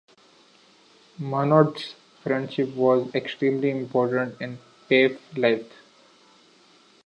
Monnot's friendship was extremely important in Piaf's life.